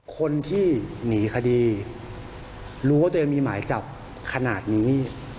คนที่หนีคดีรู้ว่าตัวเองมีหมายจับขนาดนี้